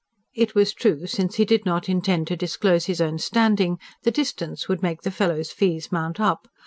It was true since he did not intend to disclose his own standing, the distance would make the fellow's fees mount up.